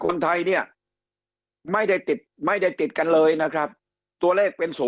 คนไทยเนี่ยไม่ได้ติดไม่ได้ติดกันเลยนะครับตัวเลขเป็น๐